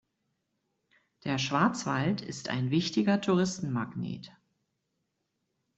Der Schwarzwald ist ein wichtiger Touristenmagnet.